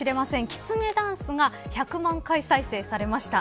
きつねダンスが１００万回再生されました。